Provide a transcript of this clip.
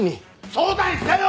相談したよ！